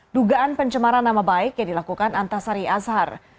dugaan pencemaran nama baik yang dilakukan antasari azhar